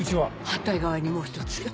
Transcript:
反対側にもう１つ。